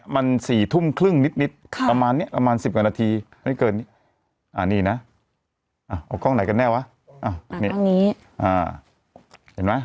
ไม่เกินอ่ะนี่นะเอากล้องไหนกันแน่วะอ่านี่อ่าเห็นไหม